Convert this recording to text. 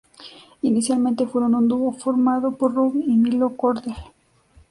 Inicialmente fueron un dúo, formado por Robbie y Milo Cordell.